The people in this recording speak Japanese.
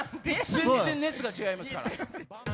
全然熱が違いますから！